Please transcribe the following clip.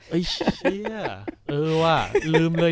เฮ้ยเชียวเออว่าลืมเลย